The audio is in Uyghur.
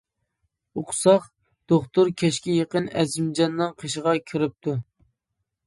ئۇقساق، دوختۇر كەچكە يېقىن ئەزىمجاننىڭ قېشىغا كىرىپتۇ.